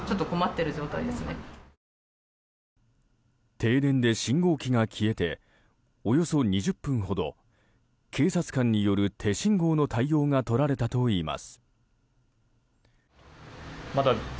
停電で信号機が消えておよそ２０分ほど警察官による手信号の対応がとられたといいます。